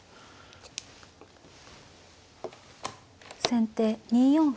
先手２四歩。